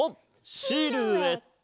シルエット！